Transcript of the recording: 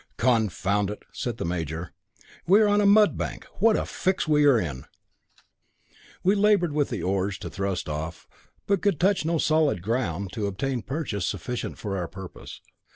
"Confound it!" said the major, "we are on a mudbank. What a fix we are in." We laboured with the oars to thrust off, but could touch no solid ground, to obtain purchase sufficient for our purpose.